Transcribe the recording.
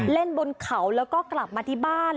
เล่นบนเขาแล้วก็กลับมาที่บ้าน